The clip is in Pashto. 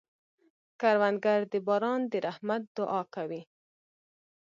کروندګر د باران د رحمت دعا کوي